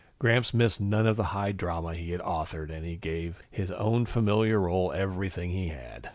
Gramps missed none of the high drama he had authored and he gave his own familiar role everything he had.